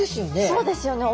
そうですよね。